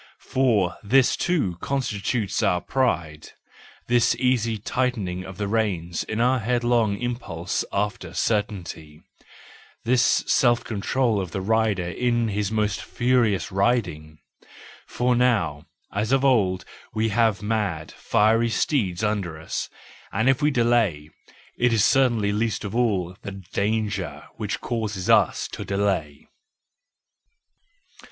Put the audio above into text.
For this too constitutes our pride, this easy tightening of the reins in our headlong im¬ pulse after certainty, this self control of the rider in his most furious riding: for now, as of old we have mad, fiery steeds under us, and if we delay, it is certainly least of all the danger which causes us to delay.